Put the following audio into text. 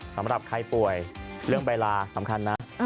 สำหรับใครป่วยเรื่องใบลาสำคัญนะ